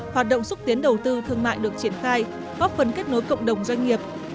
hoạt động xúc tiến đầu tư thương mại được triển khai góp phần kết nối cộng đồng doanh nghiệp